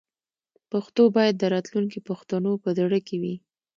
پښتو باید د راتلونکي پښتنو په زړه کې وي.